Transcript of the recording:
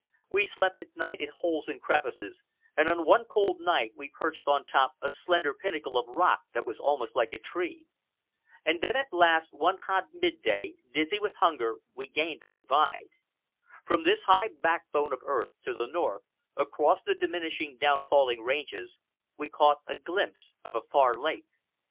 We slept at night in holes and crevices, and on one cold night we perched on top a slender pinnacle of rock that was almost like a tree. And then, at last, one hot midday, dizzy with hunger, we gained the divide. From this high backbone of earth, to the north, across the diminishing, down falling ranges, we caught a glimpse of a far lake.